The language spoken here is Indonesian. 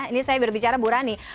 ini saya berbicara burani